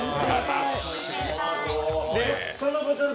そのボトル